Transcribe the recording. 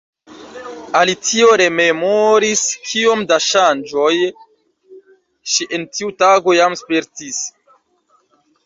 Alicio rememoris kiom da ŝanĝoj ŝi en tiu tago jam spertis.